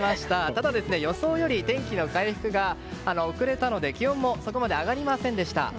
ただ、予想より天気の回復が遅れたので気温もそこまで上がりませんでした。